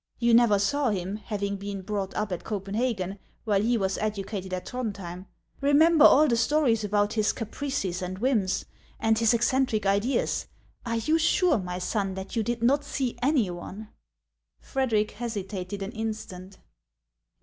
You never saw him, having been brought up at Copenhagen, while he was educated at Throndhjem. Re member all the stories about his caprices and whims, and his eccentric ideas. Are you sure, my son, that you did not see any one ?" Frederic hesitated an instant.